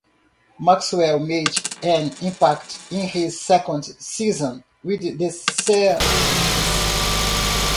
Maxwell made an impact in his second season with the Celtics.